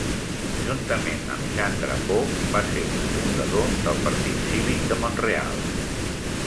Junt amb Jean Drapeau va ser cofundador del Partit Cívic de Montreal.